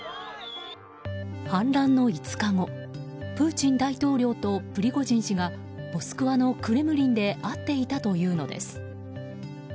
反乱の５日後プーチン大統領とプリゴジン氏がモスクワのクレムリンで会っていたというのです。